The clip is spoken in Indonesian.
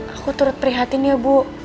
aku turut prihatin ya bu